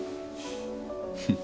フッ。